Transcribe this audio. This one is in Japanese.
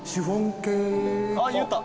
あっ言った。